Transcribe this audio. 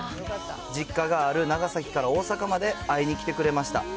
実家がある長崎から大阪まで会いに来てくれました。